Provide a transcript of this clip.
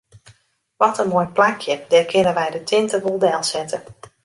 Wat in moai plakje, dêr kinne wy de tinte wol delsette.